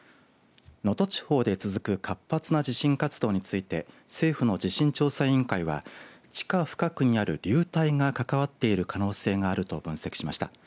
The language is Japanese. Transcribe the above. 能登地方で続く活発な地震活動について政府の地震調査委員会は地下深くにある流体が関わっている可能性があると分析しました。